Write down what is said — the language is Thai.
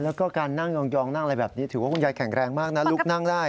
แล้วก็การนั่งยองนั่งอะไรแบบนี้ถือว่าคุณยายแข็งแรงมากนะลูกนั่งได้